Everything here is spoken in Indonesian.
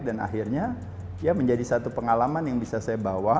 dan akhirnya ya menjadi satu pengalaman yang bisa saya bawa